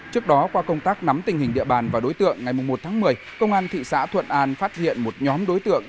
trước đó qua công tác nắm tình hình địa bàn và đối tượng ngày một tháng một mươi công an thị xã thuận an phát hiện một nhóm đối tượng